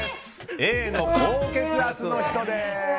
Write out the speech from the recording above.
Ａの高血圧の人です。